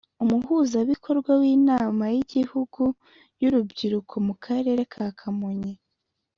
Umuhuzabikorwa w’Inama y’Igihugu y’Urubyiruko mu Karere ka Kamonyi